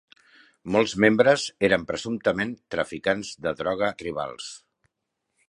Molts membres eren presumptament traficants de droga rivals.